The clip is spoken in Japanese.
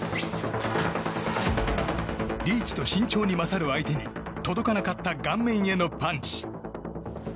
リーチと身長に勝る相手に届かなかった顔面へのパンチ。